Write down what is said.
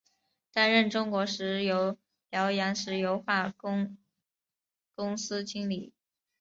担任中国石油辽阳石油化工公司经理。